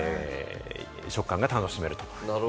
食感が楽しめると。